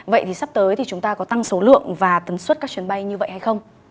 vậy thì sắp tới thì chúng ta có tăng số lượng và tấn suất các chuyến bay như vậy hay không